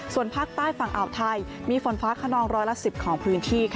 ส่วนภาคใต้ฝั่งอ่าวไทยมีฝนฟ้าขนองร้อยละ๑๐ของพื้นที่